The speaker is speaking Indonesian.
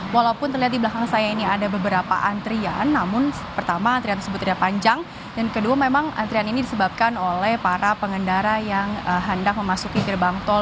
walaupun terlihat di belakang saya ini ada beberapa antrian namun pertama antrian tersebut tidak panjang dan kedua memang antrian ini disebabkan oleh para pengendara yang hendak memasuki gerbang tol